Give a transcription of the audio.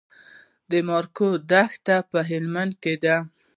د مارګو دښتې په هلمند کې دي